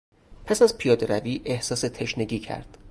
پس از پیادهروی احساس تشنگی کرد.